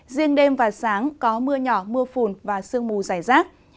riêng đêm và sáng có mưa nhỏ mưa phùn và sương mù dài rác